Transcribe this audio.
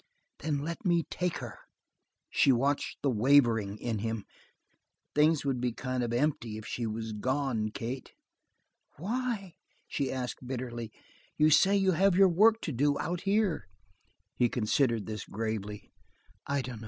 "Then let me take her." She watched the wavering in him. "Things would be kind of empty if she was gone, Kate." "Why?" she asked bitterly. "You say you have your work to do out here?" He considered this gravely. "I dunno.